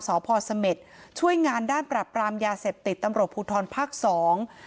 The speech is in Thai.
สพสเม็ดช่วยงานด้านปรับปรามยาเสพติดตำรวจภูทรภาคสอง